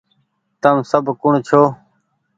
تم سب ڪوٚڻ ڇو